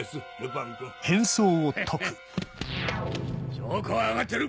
証拠は挙がってる。